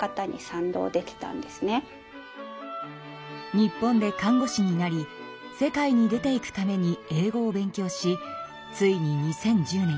日本で看護師になり世界に出ていくために英語を勉強しついに２０１０年